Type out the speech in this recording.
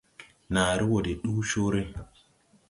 Nããre wɔ de ndu coore.